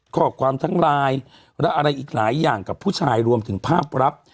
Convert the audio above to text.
ข้อความทั้งไลน์และอะไรอีกหลายอย่างกับผู้ชายรวมถึงภาพลับ